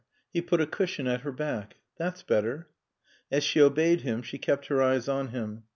He put a cushion at her back. "That's better." As she obeyed him she kept her eyes on him.